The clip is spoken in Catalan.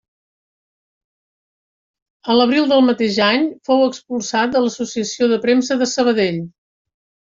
A l'abril del mateix any fou expulsat de l'Associació de Premsa de Sabadell.